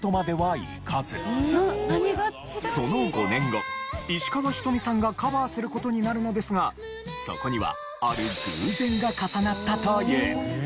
その５年後石川ひとみさんがカバーする事になるのですがそこにはある偶然が重なったという。